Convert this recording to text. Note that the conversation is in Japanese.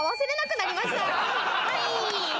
はい。